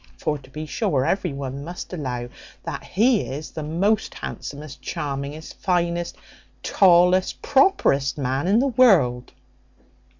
for to be sure every one must allow that he is the most handsomest, charmingest, finest, tallest, properest man in the world."